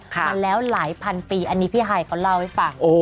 มาแล้วหลายพันปีอันนี้พี่ฮายเขาเล่าให้ฟัง